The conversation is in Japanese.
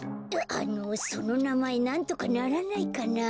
あのそのなまえなんとかならないかな。